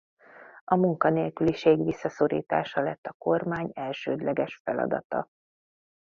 A munkanélküliség visszaszorítása lett a kormány elsődleges feladata.